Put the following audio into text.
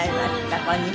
こんにちは。